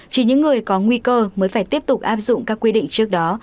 chỉ những người có nguy cơ mới phải tiếp tục áp dụng các quy định trước đó